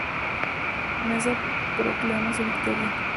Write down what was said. Mesa proclama su victoria.